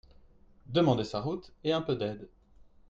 Demander sa route et un peu d'aide.